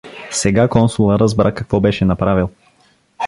Сега Консула разбра какво беше направил!